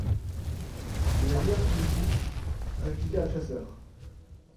Mais agir tout de suite, répliqua le chasseur.